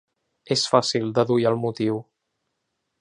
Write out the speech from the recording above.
És fàcil deduir el motiu.